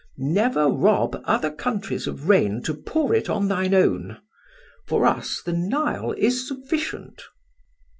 Never rob other countries of rain to pour it on thine own. For us the Nile is sufficient.